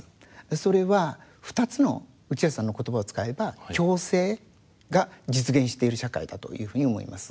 それは２つの内橋さんの言葉を使えば共生が実現している社会だというふうに思います。